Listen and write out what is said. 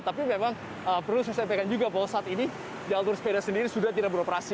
tapi memang perlu saya sampaikan juga bahwa saat ini jalur sepeda sendiri sudah tidak beroperasi